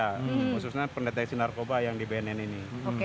khususnya pendeteksi narkoba yang di bnn ini